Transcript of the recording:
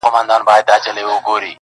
د زلفو تار يې د سپين مخ پر دايره راڅرخی,